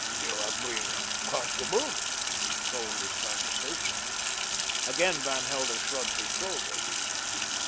"You have been comfortable?" The tone was conversational. Again Van Helder shrugged his shoulders.